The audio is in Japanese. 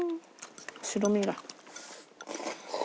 白身が。